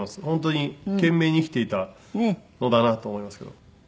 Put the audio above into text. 本当に懸命に生きていたのだなと思いますけども。